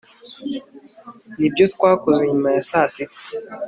nibyo twakoze nyuma ya sasita